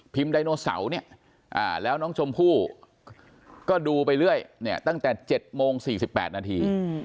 ไดโนเสาร์เนี่ยแล้วน้องชมพู่ก็ดูไปเรื่อยเนี่ยตั้งแต่๗โมง๔๘นาที